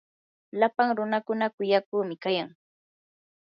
lapan runakuna kuyakuqi kayan.